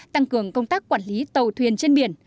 tăng cường công tác quản lý tàu thuyền trên biển